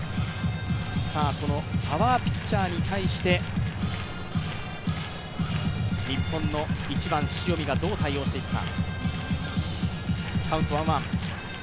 パワーピッチャーに対して日本の１番・塩見がどう対応していくか。